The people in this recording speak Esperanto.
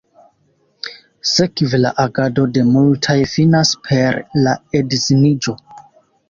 Sekve la agado de multaj finas per la edziniĝo.